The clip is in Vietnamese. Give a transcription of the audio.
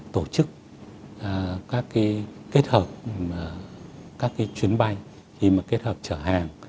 tổ chức các cái kết hợp các cái chuyến bay khi mà kết hợp trở hàng